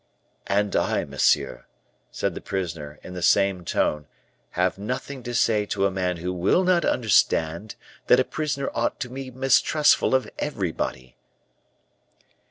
"And I, monsieur," said the prisoner, in the same tone, "have nothing to say to a man who will not understand that a prisoner ought to be mistrustful of everybody."